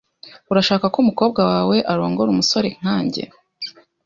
Urashaka ko umukobwa wawe arongora umusore nkanjye?